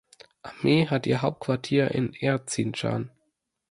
Armee hat ihr Hauptquartier in Erzincan.